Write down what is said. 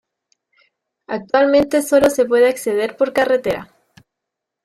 Actualmente sólo se puede acceder por carretera.